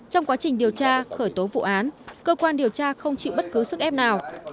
trong quá trình điều tra khởi tố vụ án cơ quan điều tra không chịu bất cứ sức ép nào